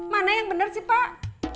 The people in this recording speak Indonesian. mana yang benar sih pak